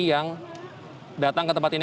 yang datang ke tempat ini